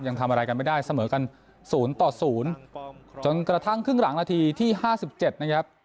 ยังทำอะไรกันไม่ได้เสมอกัน๐ต่อ๐จนกระทั่งครึ่งหลังนาทีที่ห้าสิบเจ็ดนะครับ